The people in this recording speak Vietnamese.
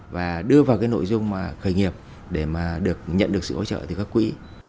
và đưa vào nội dung khởi nghiệp để nhận được sự hỗ trợ từ các quỹ